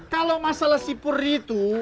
kalau masalah sipur itu